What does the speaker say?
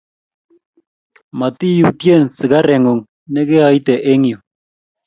Matiyutien sikare ng'ung' ne keaite eng' yu